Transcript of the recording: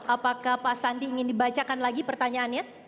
apakah pak sandi ingin dibacakan lagi pertanyaannya